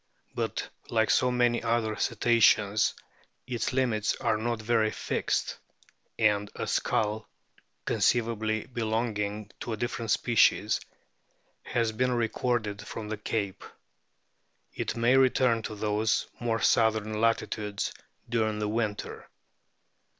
But like so many other Cetaceans its limits are not very fixed, and a skull (conceivably belonging to a different species) has been recorded from the Cape. It may return to those more southern latitudes during the winter.